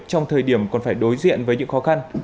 trong thời điểm còn phải đối diện với những khó khăn